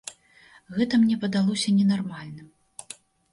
Гэта мне падалося ненармальным.